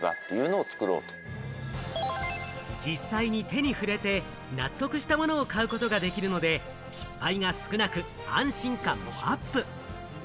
実際に手に触れて納得したものを買うことができるので失敗が少なく、安心感もアップ。